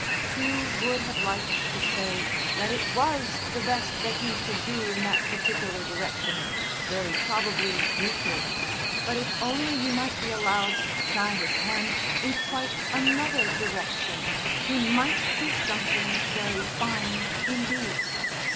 Hugh would have liked to say that it was the best that he could do in that particular direction (very probably Euclid), but if only he might be allowed to try his hand in quite another direction, he might do something very fine indeed.